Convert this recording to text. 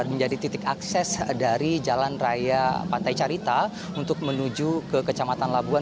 menjadi titik akses dari jalan raya pantai carita untuk menuju ke kecamatan labuan